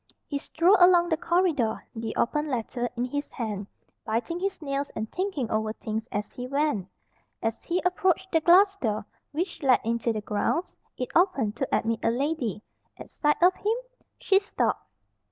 He strolled along the corridor, the open letter in his hand, biting his nails and thinking over things as he went. As he approached the glass door which led into the grounds, it opened to admit a lady. At sight of him she stopped.